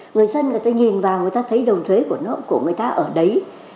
người dân người ta nhìn vào người ta thấy đồng thuế của người ta ở đấy